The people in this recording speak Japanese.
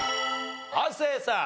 亜生さん。